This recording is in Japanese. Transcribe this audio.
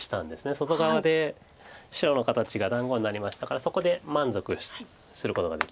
外側で白の形が団子になりましたからそこで満足することができますよね。